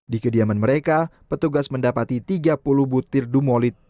di kediaman mereka petugas mendapati tiga puluh butir dumolit